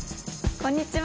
こんにちは。